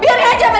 biarin aja mbak